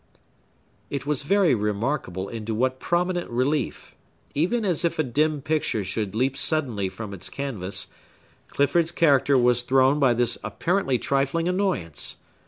It was very remarkable into what prominent relief—even as if a dim picture should leap suddenly from its canvas—Clifford's character was thrown by this apparently trifling annoyance.